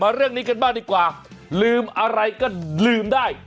เรื่องนี้กันบ้างดีกว่าลืมอะไรก็ลืมได้